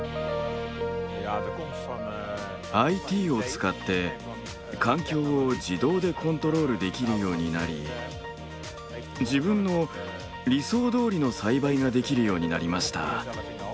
ＩＴを使って環境を自動でコントロールできるようになり自分の理想どおりの栽培ができるようになりました。